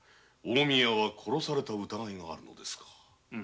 近江屋は殺された疑いがあるのですか。